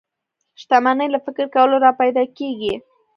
شتمني له فکر کولو را پيدا کېږي.